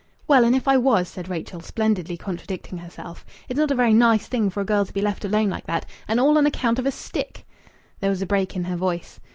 "Well, and if I was!" said Rachel, splendidly contradicting herself. "It's not a very nice thing for a girl to be left alone like that and all on account of a stick!" There was a break in her voice.